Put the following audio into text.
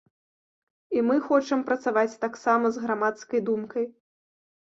І мы хочам працаваць таксама з грамадскай думкай.